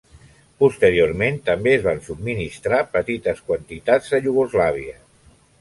Posteriorment també es van subministrar petites quantitats a Iugoslàvia.